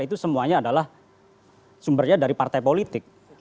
itu semuanya adalah sumbernya dari partai politik